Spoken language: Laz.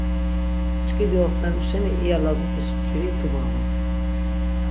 Mç̌ǩidi oxvenu şeni iya lazut̆iş mkiri dubağun.